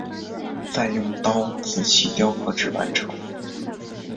再用刀仔细雕刻至完成。